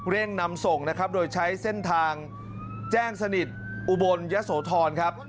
เร่งนำส่งนะครับโดยใช้เส้นทางแจ้งสนิทอุบลยะโสธรครับ